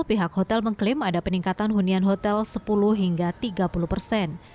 pihak hotel mengklaim ada peningkatan hunian hotel sepuluh hingga tiga puluh persen